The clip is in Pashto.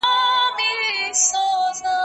زه به سبا د سبا لپاره د درسونو يادوم..